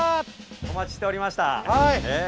お待ちしておりました。